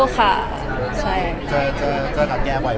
ก็ไม่ได้อะไรอ่ะ